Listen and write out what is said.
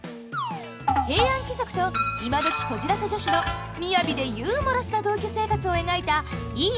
平安貴族と今どきこじらせ女子の雅でユーモラスな同居生活を描いた「いいね！